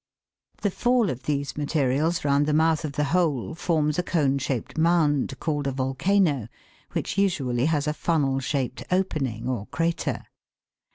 The fall of these materials round the mouth of the hole forms a cone shaped mound, called a volcano, which usually has a funnel shaped opening, or crater.